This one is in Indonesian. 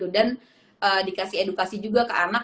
dan dikasih edukasi juga ke anak